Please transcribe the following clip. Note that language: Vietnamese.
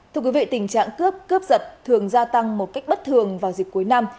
tình trạng cướp cướp giật thường gia tăng một cách bất thường vào dịp cuối năm